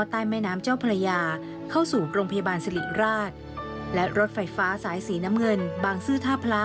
ล้อใต้แม่นัมเจ้าประหลาดเข้าสู่โรงพยาบาลสริราช